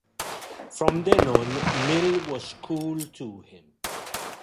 From then on, Mill was cool to him.